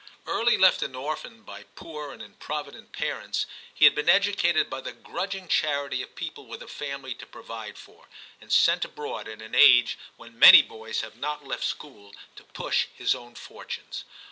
Early left an orphan by poor and improvi dent parents, he had been educated by the grudging charity of people with a family to provide for, and sent abroad at an age when many boys have not left school, to push his own fortunes.